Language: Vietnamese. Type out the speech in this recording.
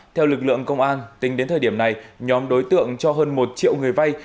theo lực lượng công an tính đến thời điểm này nhóm đối tượng cho hơn một triệu người vay